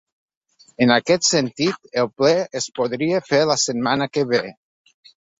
En aquest sentit, el ple es podria fer la setmana que ve.